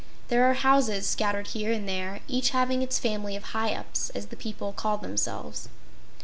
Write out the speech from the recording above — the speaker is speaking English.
There are houses scattered here and there, each having its family of Hyups, as the people call themselves.